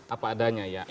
apa adanya ya